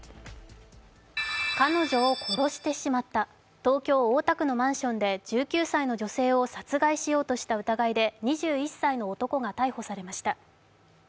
彼女を殺してしまった東京・大田区のマンションで１９歳の女性を殺害しようとした疑いで２１歳の男が逮捕されました。